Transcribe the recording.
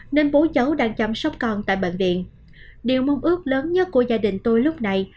nên bố cháu đang chăm sóc con tại bệnh viện điều mong ước lớn nhất của gia đình tôi lúc này